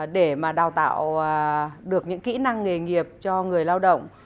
để mà đào tạo được những kỹ năng nghề nghiệp cho người lao động